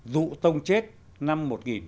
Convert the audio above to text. dũ tông chết năm một nghìn ba trăm sáu mươi chín